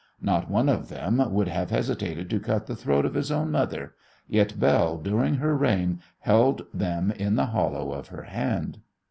Not one of them would have hesitated to cut the throat of his own mother, yet Belle during her reign held them in the hollow of her hand.